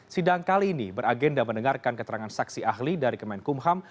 sidang kali ini beragenda mendengarkan keterangan saksi ahli dari kemenkumham